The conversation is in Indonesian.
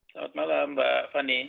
selamat malam mbak fani